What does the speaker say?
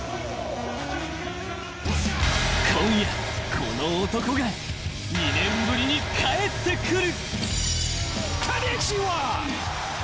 この男が２年ぶりに帰ってくる。